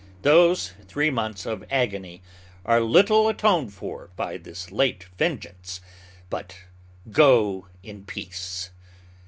Those three months of agony are little atoned for by this late vengeance; but go in peace!